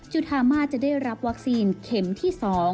จุธามาจะได้รับวัคซีนเข็มที่๒